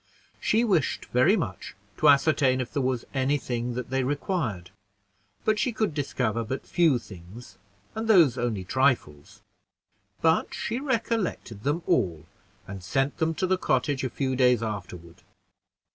She wished very much to ascertain if there was any thing that they required, but she could discover but few things, and those only trifles; but she recollected them all, and sent them to the cottage a few days afterward.